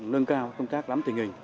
nâng cao công tác lắm tình hình